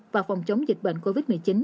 và phòng chống dịch bệnh covid một mươi chín